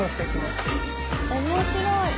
面白い！